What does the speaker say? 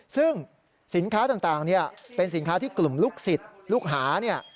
ซึ่งสินค้าต่างเป็นสินค้าที่กลุ่มลูกศิษย์ลูกหาเนี่ย